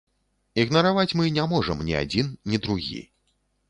Ігнараваць мы не можам ні адзін, ні другі.